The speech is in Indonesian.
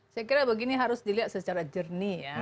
saya kira begini harus dilihat secara jernih ya